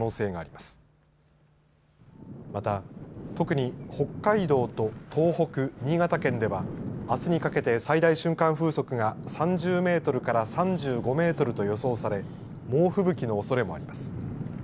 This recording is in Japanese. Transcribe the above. また、特に北海道と東北新潟県ではあすにかけて最大瞬間風速が３０メートルから３５メートルと予想され猛吹雪のおそれもあります。